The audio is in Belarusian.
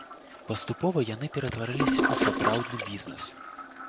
Паступова яны ператварыліся ў сапраўдны бізнес.